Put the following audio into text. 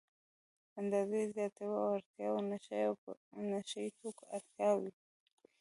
اندازې زياتو اړتیاوو نشه يي توکو اړتیا وي.